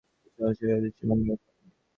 তিনি সকল সহিহ হাদীস সংকলন করেননি।